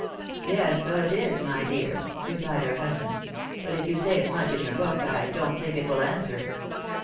" Yes, so it is, my dear," replied her husband. " But if you say as much in your book, I don't think it will answer."